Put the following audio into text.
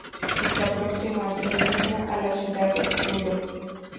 Está próximo así mismo a la ciudad de Truro.